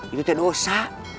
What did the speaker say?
itu tidak dosa